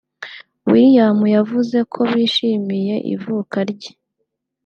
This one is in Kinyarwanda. William yavuze ko bishimiye ivuka rye